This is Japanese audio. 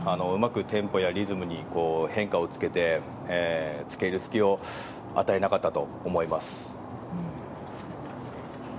うまくテンポやリズムに変化をつけて付け入る隙を与えなかったと思います。